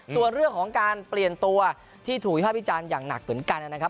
ตัวเลือกของการเปลี่ยนตัวที่ถูกดีให้พี่จันอย่างหนักเหมือนกันนะครับ